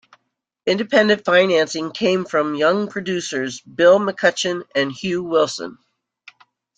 Independent financing came from young producers, Bill McCutchen and Hugh Wilson.